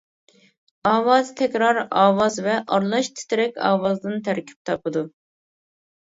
ئاۋازى تەكرار ئاۋاز ۋە ئارىلاش تىترەك ئاۋازدىن تەركىب تاپىدۇ.